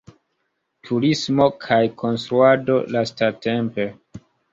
Turismo kaj konstruado lastatempe.